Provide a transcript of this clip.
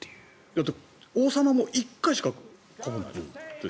だって王様も１回しかかぶらない。